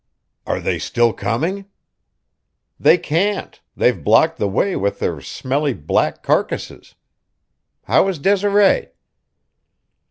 "Are they still coming?" "They can't; they've blocked the way with their smelly black carcasses. How is Desiree?"